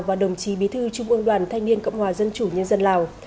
và đồng chí bí thư trung ương đoàn thanh niên cộng hòa dân chủ nhân dân lào